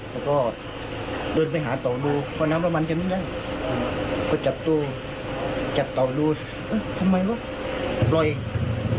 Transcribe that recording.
มันตอบว่าไม่มีอะไรก็ปล่อยไปอีก